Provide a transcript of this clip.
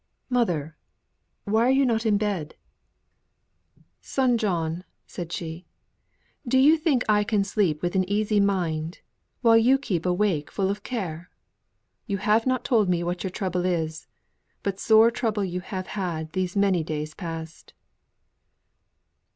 "Mother! why are you not in bed?" "Son John," said she, "do you think I can sleep with an easy mind, while you keep awake full of care? You have not told me what your trouble is; but sore trouble you have had these many days past."